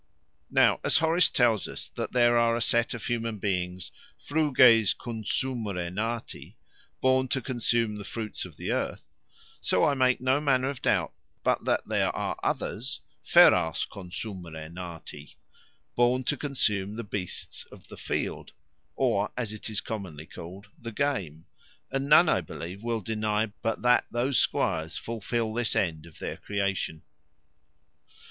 Now, as Horace tells us that there are a set of human beings Fruges consumere nati, "Born to consume the fruits of the earth;" so I make no manner of doubt but that there are others Feras consumere nati, "Born to consume the beasts of the field;" or, as it is commonly called, the game; and none, I believe, will deny but that those squires fulfil this end of their creation.